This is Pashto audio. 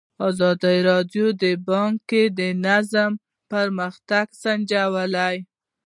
ازادي راډیو د بانکي نظام پرمختګ سنجولی.